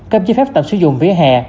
cấp giấy phép tập sử dụng vía hè